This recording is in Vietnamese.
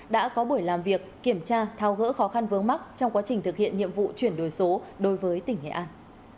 đã có buổi làm việc kiểm tra thao gỡ khó khăn vướng mắt trong quá trình thực hiện nhiệm vụ chuyển đổi số đối với tỉnh nghệ an